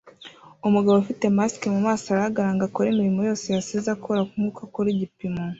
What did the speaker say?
Umugabo ufite mask mumaso arahagarara ngo akore imirimo yose yasize akora nkuko akora igipimo